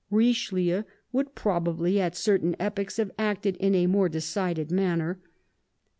Richelieu would probably at certain epochs have acted in a more decided manner.